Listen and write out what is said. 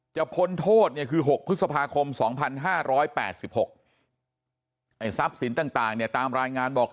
พ้นโทษเนี่ยคือ๖พฤษภาคม๒๕๘๖ไอ้ทรัพย์สินต่างเนี่ยตามรายงานบอก